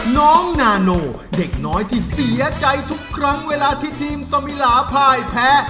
น้องนาโนเด็กน้อยที่เสียใจทุกครั้งเวลาที่ทีมสมิลาภายแพ้